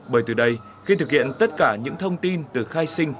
bởi từ đây khi thực hiện tất cả những thông tin từ khai sinh